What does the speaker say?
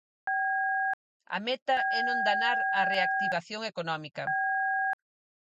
A meta é non danar a reactivación económica.